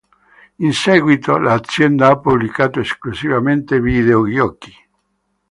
In seguito l'azienda ha pubblicato esclusivamente videogiochi.